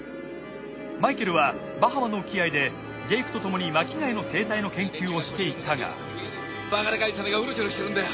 マイケルはバハマの沖合でジェイクとともに巻き貝の生態の研究をしていたがバカでかいサメがうろちょろしてるんだよ。